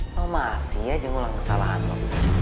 kamu masih aja ulang kesalahan lo